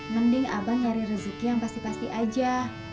mending abang nyari rezeki yang pasti pasti aja